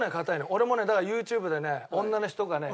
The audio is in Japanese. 俺もねだからＹｏｕＴｕｂｅでね女の人がね